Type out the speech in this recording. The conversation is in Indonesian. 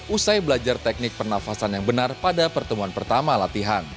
usai belajar teknik pernafasan yang benar pada pertemuan pertama latihan